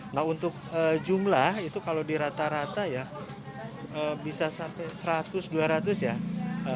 nah untuk jumlah itu kalau di rata rata ya bisa sampai seratus dua ratus ya